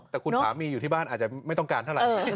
แต่คุณสามีอยู่ที่บ้านอาจจะไม่ต้องการเท่าไหร่